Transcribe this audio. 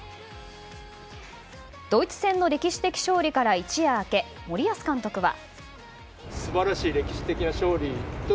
ドイツ戦の歴史的勝利から一夜明け森保監督は。